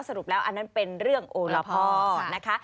สรุปแล้วอันนั้นเป็นเรื่องโอละพ่อนะคะ